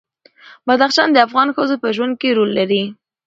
بدخشان د افغان ښځو په ژوند کې رول لري.